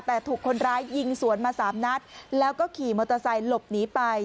แต่ถูกคนร้ายยิงสวนมาสามนัดแล้วก็ขี่มอเตอร์ไซค์หลบหนีไป